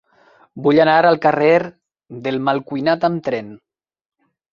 Vull anar al carrer del Malcuinat amb tren.